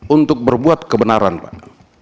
untuk berbuat kebenaran pak